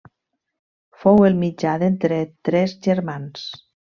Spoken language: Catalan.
Fou el mitjà d'entre tres germans.